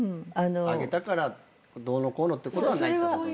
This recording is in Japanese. あげたからどうのこうのってことではないってことね。